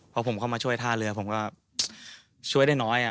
พอผมเข้ามาช่วยท่าเรือผมก็ช่วยได้น้อย